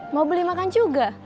mau beli makan juga